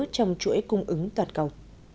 trong chuỗi cung ứng toàn cầu